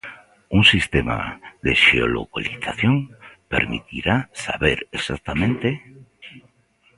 Un sistema de xeolocalización permitirá saber exactamente...